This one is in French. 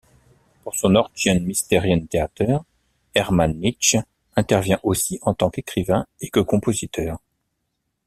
Pour son Orgien-Mysterien Theater, Hermann Nitsch intervient aussi en tant qu'écrivain et que compositeur.